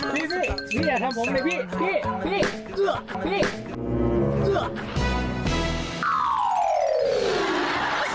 พี่อย่าทำผมเลยพี่